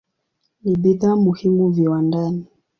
Ni bidhaa muhimu viwandani.